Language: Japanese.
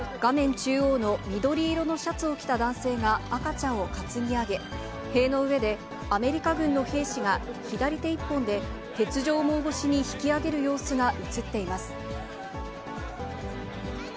中央の緑色のシャツを着た男性が赤ちゃんを担ぎ上げ、塀の上で、アメリカ軍の兵士が左手一本で鉄条網越しに引き上げる様子が映っています。